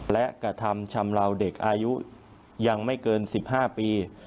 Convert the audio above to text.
และกระทำชำลาวเด็กอายุยังไม่เกิน๑๕ปี